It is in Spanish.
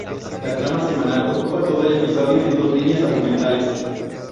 La trama semanal ocupa todo el episodio, en dos líneas argumentales.